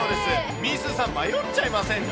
みーすーさん、迷っちゃいませんか？